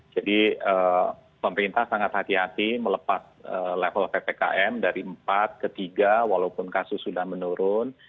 jadi pemerintah sangat hati hati melepas level ppkm dari empat ke tiga walaupun kasus sudah menurun